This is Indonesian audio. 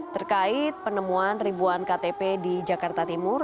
terkait penemuan ribuan ktp di jakarta timur